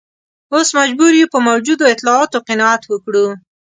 اوس مجبور یو په موجودو اطلاعاتو قناعت وکړو.